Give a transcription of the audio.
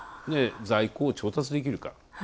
在庫を調達できるか。